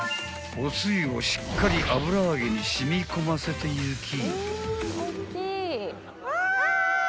［おつゆをしっかり油揚げに染み込ませていき］